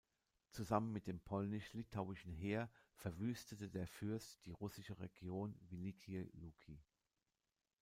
Zusammen mit dem polnisch-litauischen Heer verwüstete der Fürst die russische Region Welikije Luki.